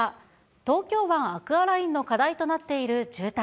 東京湾アクアラインの課題となっている渋滞。